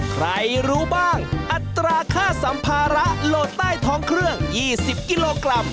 ใครรู้บ้างอัตราค่าสัมภาระโหลดใต้ท้องเครื่อง๒๐กิโลกรัม